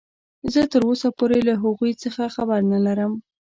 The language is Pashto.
زه تراوسه پورې له هغوې څخه خبر نلرم.